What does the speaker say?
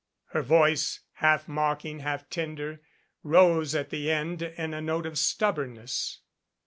Her voice, half mocking, half tender, rose at the end in a note of stubbornness.